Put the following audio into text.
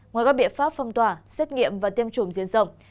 ngoài các biện pháp phong tỏa xét nghiệm và tiêm chủng diện rộng